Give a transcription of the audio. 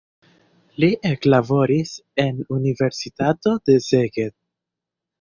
Li eklaboris en universitato de Szeged.